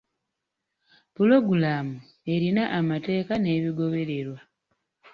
Pulogulaamu erina amateeka n'ebigobererwa.